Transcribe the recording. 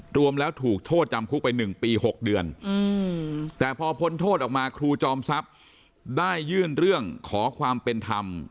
รวมแล้วถูกโทษจำคุกไป๑ปี๖เดือนแต่พอพ้นโทษออกมาครูจอมทรัพย์ได้ยื่นเรื่องขอความเป็นธรรม